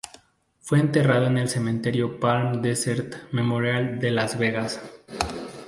Fue enterrado en el Cementerio Palm Desert Memorial de Las Vegas.